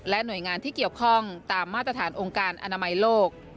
หน่วยงานที่เกี่ยวข้องตามมาตรฐานองค์การอนามัยโลก